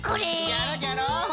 じゃろじゃろ。